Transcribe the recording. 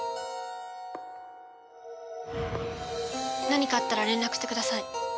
何かあったら連絡してください。